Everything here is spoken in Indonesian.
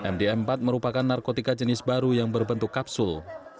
mdm empat merupakan narkotika jenis baru yang berbentuk kapsul